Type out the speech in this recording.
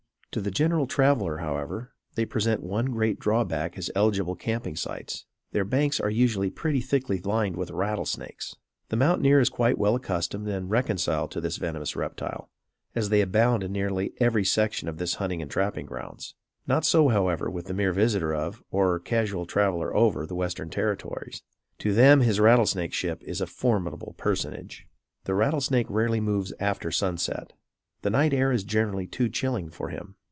To the general traveler, however, they present one great drawback as eligible camping sites. Their banks are usually pretty thickly lined with rattlesnakes. The mountaineer is quite well accustomed and reconciled to this venomous reptile, as they abound in nearly every section of his hunting and trapping grounds. Not so however with the mere visitor of, or casual traveller over, the Western Territories. To them his rattlesnake ship is a formidable personage. The rattlesnake rarely moves after sunset. The night air is generally too chilling for him.